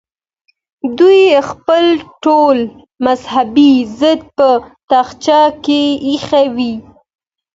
دوی خپل ټول مذهبي ضد په تاخچه کې ایښی وي.